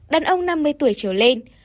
đàn ông năm mươi tuổi trở lên